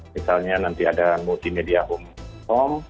misalnya nanti ada multimedia home home